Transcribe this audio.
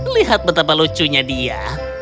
lihat betapa lucunya dia